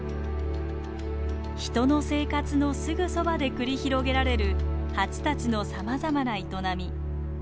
人の生活のすぐそばで繰り広げられるハチたちのさまざまな営み。